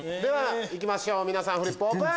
行きましょう皆さんフリップオープン！